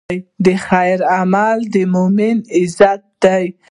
د خیر عمل د مؤمن عزت دی.